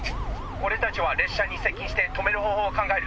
俺たちは列車に接近して止める方法を考える。